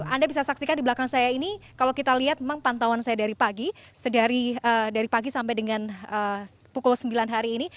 anda bisa saksikan di belakang saya ini kalau kita lihat memang pantauan saya dari pagi dari pagi sampai dengan pukul sembilan hari ini